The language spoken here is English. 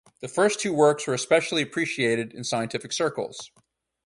The first two works were especially appreciated in scientific circles.